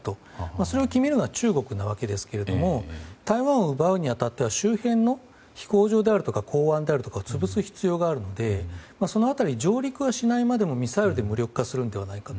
それを決めるのは中国なわけですが台湾を奪うに当たっては周辺の飛行場や港湾を潰す必要があるのでその辺り、上陸はしないまでもミサイルで無力化するのではないかと。